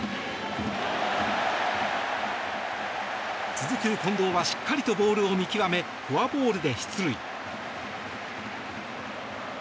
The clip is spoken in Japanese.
続く近藤はしっかりとボールを見極めフォアボールで出塁。